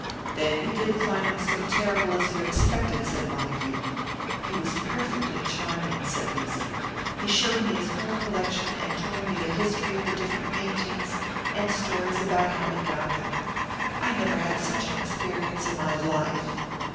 "Then you didn't find him so terrible as you expected," said Montague. "He was perfectly charming," said Lucy. "He showed me his whole collection and told me the history of the different paintings, and stories about how he got them. I never had such an experience in my life."